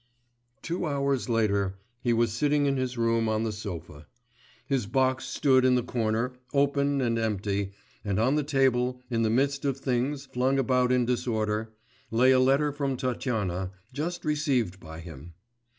Two hours later he was sitting in his room on the sofa. His box stood in the corner, open and empty, and on the table in the midst of things flung about in disorder, lay a letter from Tatyana, just received by him.